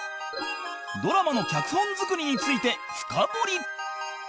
ドラマの脚本作りについて深掘り！